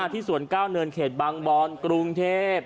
ที่ส่วน๙เนินเขตบางบอลกรุงเทพฯ